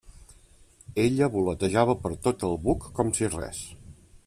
Ella voletejava per tot el buc com si res.